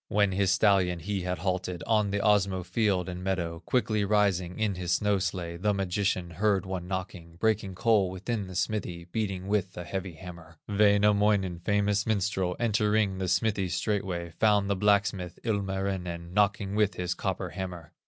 When his stallion he had halted On the Osmo field and meadow, Quickly rising in his snow sledge, The magician heard one knocking, Breaking coal within the smithy, Beating with a heavy hammer. Wainamoinen, famous minstrel, Entering the smithy straightway, Found the blacksmith, Ilmarinen, Knocking with his copper hammer.